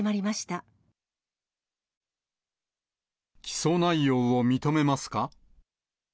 起訴内容を認めますか。